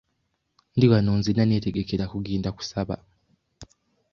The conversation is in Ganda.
Ndi wano nzenna neetegekera kugenda kusaba.